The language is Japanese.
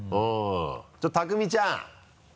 ちょっと拓海ちゃん！